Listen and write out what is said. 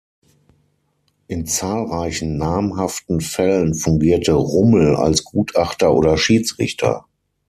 In zahlreichen namhaften Fällen fungierte Rummel als Gutachter oder Schiedsrichter.